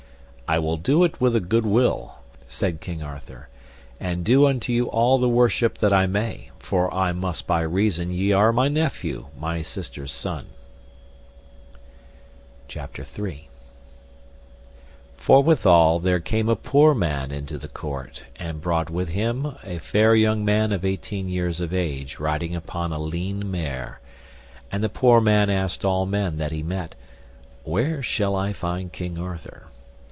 I will do it with a good will, said King Arthur, and do unto you all the worship that I may, for I must by reason ye are my nephew, my sister's son. CHAPTER III. How a poor man riding upon a lean mare desired King Arthur to make his son knight. Forthwithal there came a poor man into the court, and brought with him a fair young man of eighteen years of age riding upon a lean mare; and the poor man asked all men that he met, Where shall I find King Arthur?